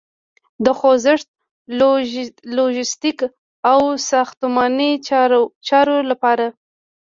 د خوځښت، لوژستیک او ساختماني چارو لپاره